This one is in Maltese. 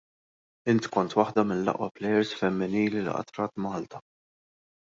Inti kont waħda mill-aqwa plejers femminili li qatt rat Malta.